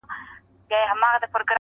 بېخي ډېر خيال به يې ساتی